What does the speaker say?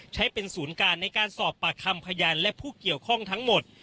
ใช้เป็นศูนย์การในการสอบปากคำพยานและผู้เกี่ยวข้องทั้งหมด